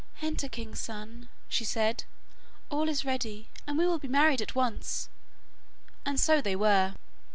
'Enter, king's son,' said she, 'all is ready, and we will be married at once,' and so they were.